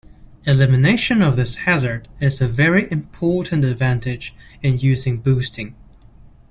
Elimination of this hazard is a very important advantage in using boosting.